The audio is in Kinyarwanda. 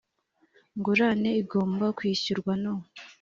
Ngurane igomba kwishyurwa no